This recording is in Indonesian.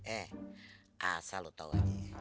eh asal loh tau aja